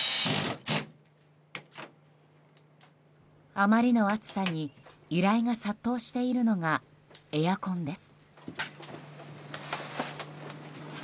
あまりの暑さに依頼が殺到しているのがエアコンです。